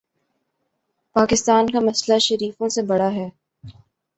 پاکستان کا مسئلہ شریفوں سے بڑا ہے۔